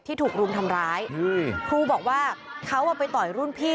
ถูกรุมทำร้ายครูบอกว่าเขาอ่ะไปต่อยรุ่นพี่